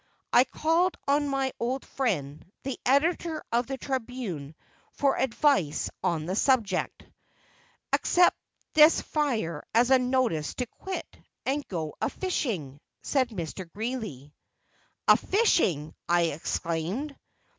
I called on my old friend, the editor of the Tribune, for advice on the subject. "Accept this fire as a notice to quit, and go a fishing," said Mr. Greeley. "A fishing!" I exclaimed.